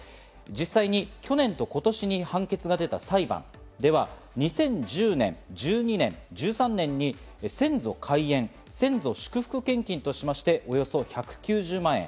実際に去年と今年に判決が出た裁判では、２０１０年、２０１２年、２０１３年に先祖解怨、先祖祝福献金としましておよそ１９０万円。